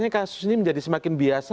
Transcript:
kasus ini menjadi semakin biasa